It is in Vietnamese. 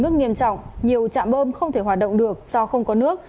nước nghiêm trọng nhiều trạm bơm không thể hoạt động được do không có nước